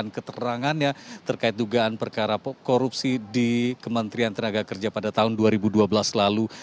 dan keterangannya terkait dugaan perkara korupsi di kementerian tenaga kerja pada tahun dua ribu dua belas lalu